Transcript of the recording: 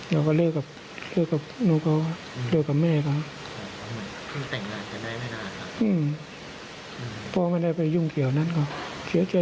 เราก็เลือกกับนูของเขาเลือกกับแม่ของเขา